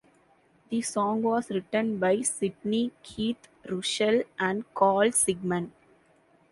The song was written by Sidney Keith Russell and Carl Sigman.